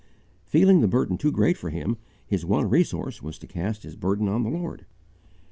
Feeling the burden too great for him, his one resource was to cast his burden on the Lord.